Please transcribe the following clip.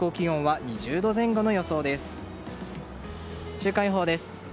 週間予報です。